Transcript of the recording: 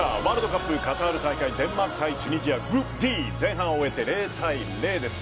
ワールドカップカタール大会デンマーク対チュニジアグループＤ前半を終えて０対０です。